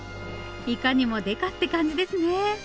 いかにもデカって感じですね。